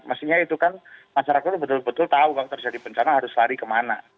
mestinya itu kan masyarakat betul betul tahu kalau terjadi bencana harus lari kemana